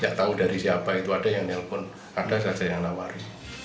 tidak tahu dari siapa itu ada yang nelpon ada saja yang nawari